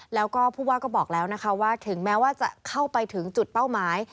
แล้วก็ผู้ว่าก็บอกแล้วนะคะว่าถึงแม้ว่าจะเข้าไปถึงจุดเป้าหมาย